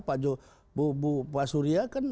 pak surya kan